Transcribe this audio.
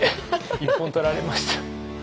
一本取られました。